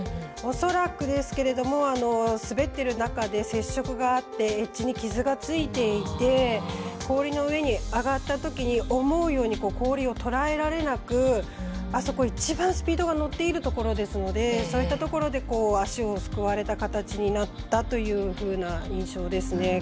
恐らくですけれども滑っている中で接触があってエッジに傷がついていて氷の上に上がったときに思うように氷を捉えられなくあそこいちばんスピードが乗っているところですのでそういったところで足をすくわれた形になったというふうな印象ですね。